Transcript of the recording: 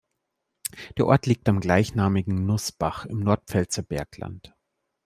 Der Ort liegt am gleichnamigen Nußbach im Nordpfälzer Bergland.